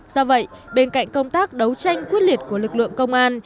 do vậy bên cạnh công tác đấu tranh quyết liệt của lực lượng công an